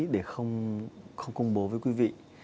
để không công bố với quý vị